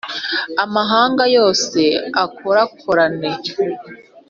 amahanga yose akorakorane!